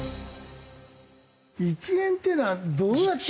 １円っていうのはどうやって。